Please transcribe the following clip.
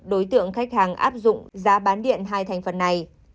đối tượng khách hàng áp dụng giá bán điện hai thành phần này